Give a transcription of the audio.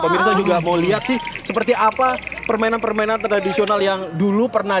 pemirsa juga mau lihat sih seperti apa permainan permainan tradisional yang dulu pernah